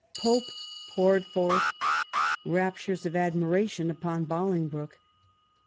Pope poured forth raptures of admiration upon Bolingbroke.